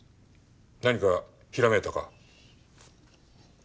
何かひらめいたか？